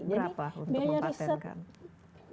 berapa untuk mempatentkan